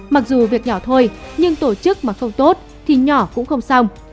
mặc dù việc nhỏ thôi nhưng tổ chức mà không tốt thì nhỏ cũng không xong